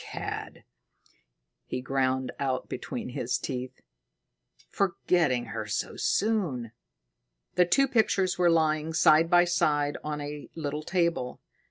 "Cad!" he ground out between his teeth. "Forgetting her so soon!" The two pictures were lying side by side on a little table.